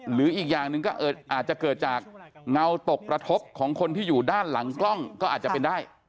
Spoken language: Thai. หรืออีกอย่างหนึ่งก็อาจจะเกิดจากเงาตกกระทบของคนที่อยู่ด้านหลังกล้องก็อาจจะเป็นได้